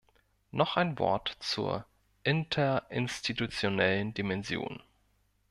Noch ein Wort zur interinstitutionellen Dimension.